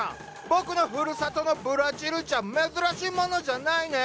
僕のふるさとのブラジルじゃ珍しいものじゃないネ。